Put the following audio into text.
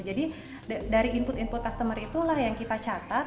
jadi dari input input customer itulah yang kita catat